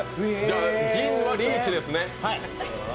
銀はリーチですね。